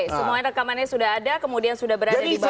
semuanya rekamannya sudah ada kemudian sudah berada di bawah